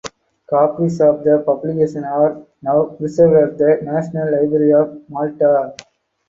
Copies of the publication are now preserved at the National Library of Malta.